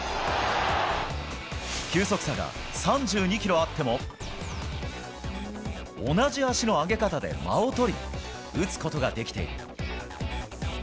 球速差が３２キロあっても、同じ足の上げ方で間を取り、打つことができている。